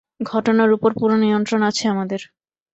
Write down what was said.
ঘটনার ওপর পুরো নিয়ন্ত্রণ আছে আমাদের।